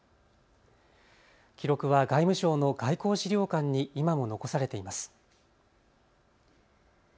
記録は外務省の外交史料館に今も残されています。